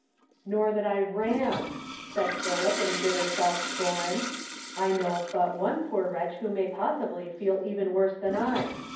"Nor that I rani" said Philip iu bitter self scorn. "I know of but one poor wretch who may possibly feel even woi se than I.